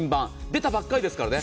出たばかりですからね。